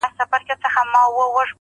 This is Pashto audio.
واه زرګر چناره دسروزرو منګوټي راغله-